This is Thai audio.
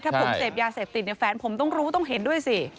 ถ้าผมเสพยาเสพติดเนี่ยแฟนผมต้องรู้ต้องเห็นด้วยสิ